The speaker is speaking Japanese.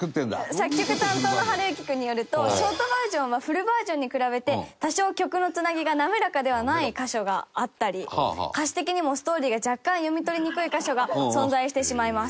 作曲担当の暖之君によるとショートバージョンはフルバージョンに比べて多少曲のつなぎが滑らかではない箇所があったり歌詞的にもストーリーが若干読み取りにくい箇所が存在してしまいます。